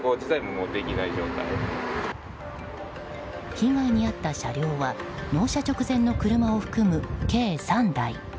被害に遭った車両は納車直前の車を含む計３台。